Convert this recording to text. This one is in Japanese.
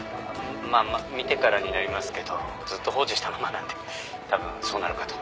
「まあ見てからになりますけどずっと放置したままなんで多分そうなるかと」